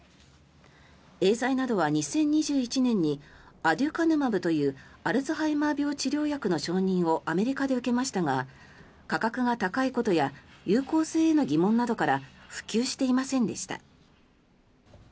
エーザイなどは２０２１年にアデュカヌマブというアルツハイマー病治療薬の承認をアメリカで受けましたが価格が高いことや有効性への疑問などから普及していませんでした。